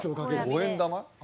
５円玉？